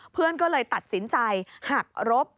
เพื่อนก็เลยตัดสินใจหักรบ